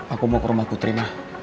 aku mau ke rumah putri mah